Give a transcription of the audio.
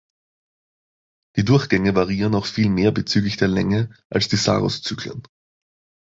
Die Durchgänge variieren auch viel mehr bezüglich der Länge als die Saros-Zyklen.